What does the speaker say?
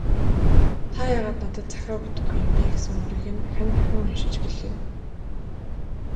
"Та яагаад надад захиа өгдөггүй юм бэ» гэсэн мөрийг нь дахин дахин уншиж билээ.